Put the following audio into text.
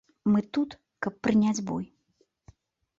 Мы тут, каб прыняць бой.